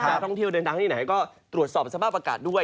นักท่องเที่ยวเดินทางที่ไหนก็ตรวจสอบสภาพอากาศด้วย